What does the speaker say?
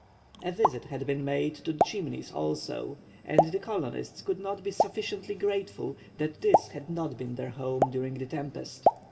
A visit had been made to the Chimneys also, and the colonists could not be sufficiently grateful that this had not been their home during the tempest.